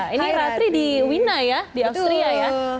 ini ratri di wina ya di austria ya